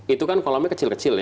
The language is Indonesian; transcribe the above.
itu kan kolamnya kecil kecil ya